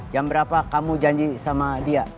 jam berapa kamu janji sama dia